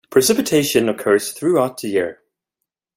Precipitation occurs throughout the year.